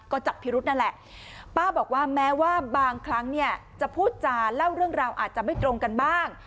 ก็จับพิรุษนั่นแหละป้าบอกว่าแม้ว่าบางครั้งเนี่ยจะพูดจาเล่าเรื่องราวอาจจะไม่ตรงกันบ้าง